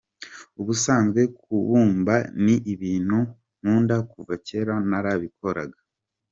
Ubusanzwe kubumba ni ibintu nkunda, kuva kera narabikoraga.